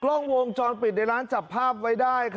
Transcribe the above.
กล้องวงจรปิดในร้านจับภาพไว้ได้